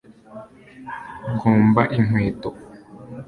gomba inkweto